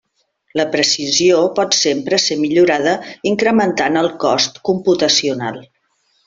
La precisió pot sempre ser millorada incrementant el cost computacional.